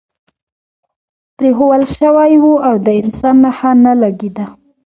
پرېښوول شوی و او د انسان نښه نه لګېده.